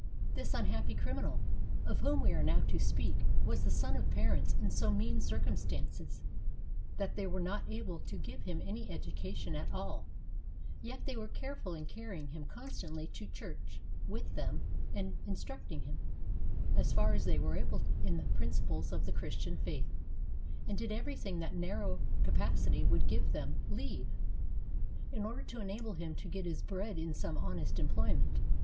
This unhappy criminal of whom we are now to speak was the son of parents in so mean circumstances that they were not able to give him any education at all; yet they were careful in carrying him constantly to church with them, and instructing him as far as they were able in the principles of the Christian faith, and did everything that narrow capacity would give them leave, in order to enable him to get his bread in some honest employment.